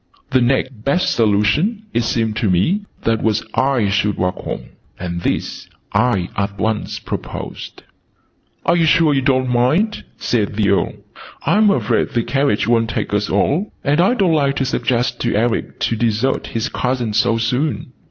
The next best solution, it seemed to me, was that I should walk home: and this I at once proposed. "You're sure you don't mind?" said the Earl. "I'm afraid the carriage wont take us all, and I don't like to suggest to Eric to desert his cousin so soon."